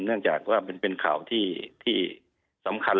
เนื่องจากว่ามันเป็นข่าวที่สำคัญ